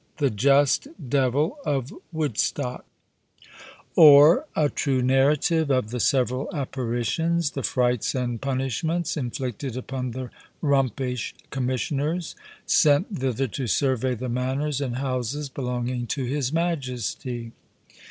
THE JUST DEVIL OF WOODSTOCK; OR, A TRUE NARRATIVE OF THE SEVERAL APPARITIONS, THE FRIGHTS AND PUNISHMENTS, INFLICTED UPON THE RUMPISH COMMISSIONERS SENT THITHER TO SURVEY THE MANNORS AND HOUSES BELONGING TO HIS MAJESTIE.